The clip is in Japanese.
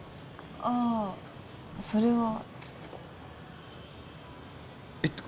ああそれはてか